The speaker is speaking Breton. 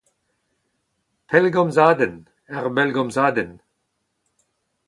pellgomzadenn, ur bellgomzadenn